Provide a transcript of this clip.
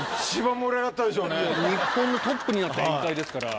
日本のトップになった宴会ですから。